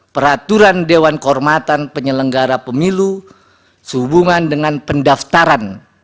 peraturan dewan kehormatan penyelenggara pemilu sehubungan dengan pendaftaran